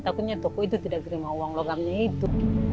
takutnya toko itu tidak terima uang logamnya itu